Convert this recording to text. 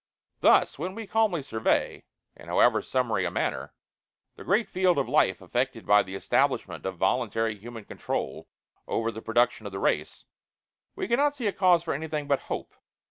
Thus when we calmly survey, in however summary a manner, the great field of life affected by the establishment of voluntary human control over the production of the race, we can not see a cause for anything but hope.